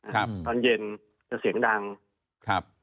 ครับตอนเย็นจะเสียงดังครับ